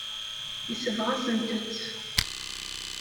Yesbeɣ-asent-tt.